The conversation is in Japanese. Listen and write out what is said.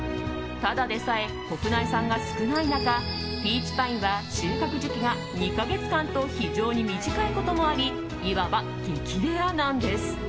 ただでさえ国内産が少ない中ピーチパインは収穫時期が２か月間と非常に短いこともありいわば激レアなんです。